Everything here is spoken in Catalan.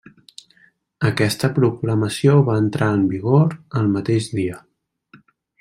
Aquesta proclamació va entrar en vigor el mateix dia.